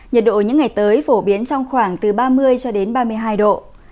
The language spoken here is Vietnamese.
nhật độ những ngày tới phổ biến trong khoảng từ ba mươi ba mươi hai độ